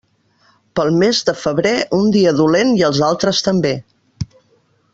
Pel mes de febrer un dia dolent i els altres també.